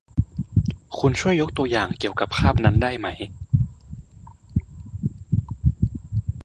คุณช่วยยกตัวอย่างเกี่ยวกับคาบนั้นได้ไหม